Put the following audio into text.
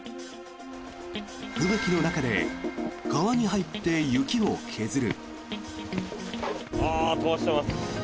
吹雪の中で川に入って雪を削る。